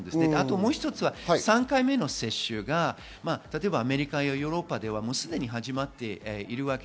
もう一つは３回目の接種が例えばアメリカやヨーロッパではすでに始まっています。